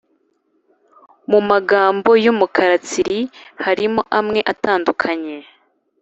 Mu magambo y’umukara tsiri harimo amwe atandukanye